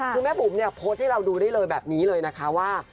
คือแม่บุ๋มเนี่ยโพสต์ให้เราดูได้เลยแบบนี้เลยนะคะว่า